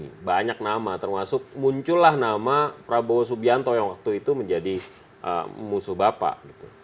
ada banyak nama termasuk muncullah nama prabowo subianto yang waktu itu menjadi musuh bapak